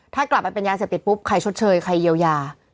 ถ้ากลับไปเป็นยาเสพติดปุ๊บใครชดเชยใครเยียวยา